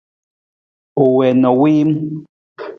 U wii na u wiim.